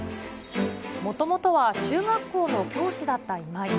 もともとは中学校の教師だった今井。